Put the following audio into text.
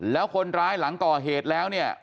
แล้วคนร้ายหลังก่อเหตุแล้วเนี่ย